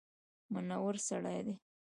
منور سړی دی.